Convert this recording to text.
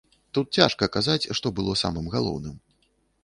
Тут цяжка казаць, што было самым галоўным.